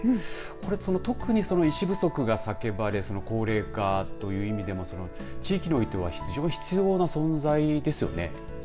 これ特に医師不足がさけばれ高齢化という意味でも地域にとっては非常に必要な存在ですよね。